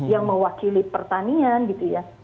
yang mewakili pertanian gitu ya